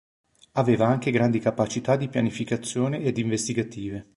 Aveva anche grandi capacità di pianificazione ed investigative.